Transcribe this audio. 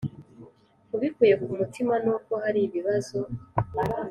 ubikuye ku mutima Nubwo hari ibibazo